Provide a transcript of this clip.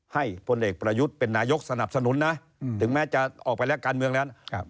พลเอกประยุทธ์เป็นนายกสนับสนุนนะถึงแม้จะออกไปแล้วการเมืองนั้น